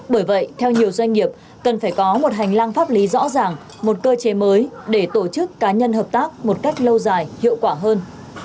bởi vậy theo nhiều doanh nghiệp cần phải có một hành lang pháp lý rõ ràng một cơ chế mới để tổ chức cá nhân hợp tác một cách lâu dài hiệu quả hơn